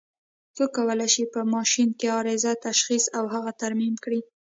څوک کولای شي چې په ماشین کې عارضه تشخیص او هغه ترمیم کړي؟